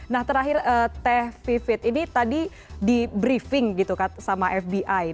nah terakhir teh vivit ini tadi di briefing gitu kan sama fbi